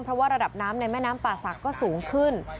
เพราะว่าระดับน้ำในแม่น้ำป่าศักดิ์ก็สูงขึ้น